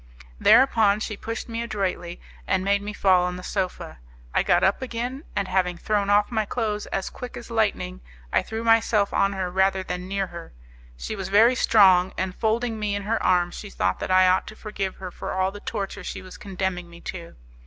Thereupon she pushed me adroitly, and made me fall on the sofa. I got up again, and, having thrown off my clothes as quick as lightning I threw myself on her rather than near her. She was very strong; and folding me in her arms she thought that I ought to forgive her for all the torture she was condemning me to.